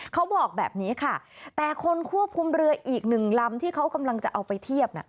เขาบอกแบบนี้ค่ะแต่คนควบคุมเรืออีกหนึ่งลำที่เขากำลังจะเอาไปเทียบ